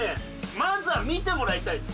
まずは見てもらいたいです